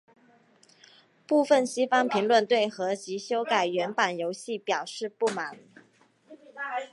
部分西方评论对合辑修改原版游戏表示不满。